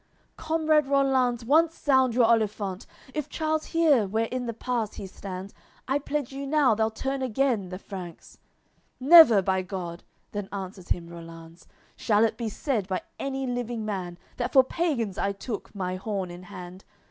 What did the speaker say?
LXXXV "Comrade Rollanz, once sound your olifant! If Charles hear, where in the pass he stands, I pledge you now, they'll turn again, the Franks." "Never, by God," then answers him Rollanz, "Shall it be said by any living man, That for pagans I took my horn in hand!